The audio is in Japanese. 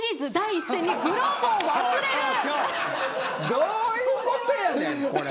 どういうことやねんこれ。